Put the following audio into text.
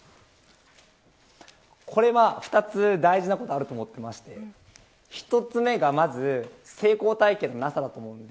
これは２つ、大事なことがあると思っていて１つ目がまず成功体験のなさです。